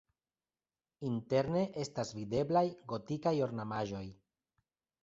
Interne estas videblaj gotikaj ornamaĵoj.